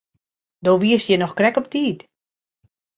Do wiest hjir noch krekt op 'e tiid.